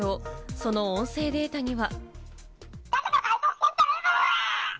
その音声データには。